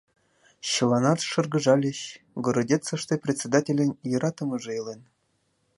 Чыланат шыргыжальыч: Городецыште председательын йӧратымыже илен.